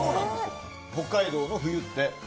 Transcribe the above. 北海道の冬って。